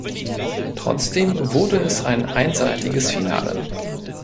Trotzdem wurde es ein einseitiges Finale.